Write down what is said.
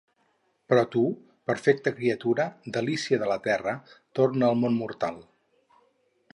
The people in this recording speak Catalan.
Però tu, perfecta criatura, delícia de la terra, torna al món mortal!